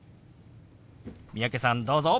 三宅さんどうぞ。